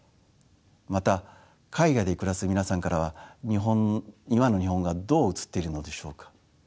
また海外で暮らす皆さんからは今の日本がどう映っているのでしょうか？